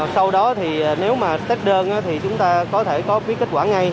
sau đó thì nếu mà xét đơn thì chúng ta có thể có biết kết quả ngay